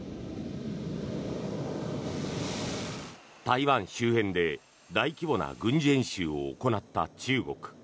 台湾周辺で大規模な軍事演習を行った中国。